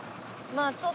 まあちょっと。